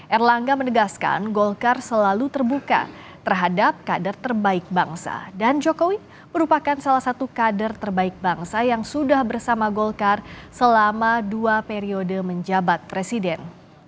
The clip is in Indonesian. erlangga menegaskan golkar selalu terbuka terhadap kader terbaik bangsa dan jokowi merupakan salah satu kader terbaik bangsa yang sudah bersama golkar selama dua periode menjabat presiden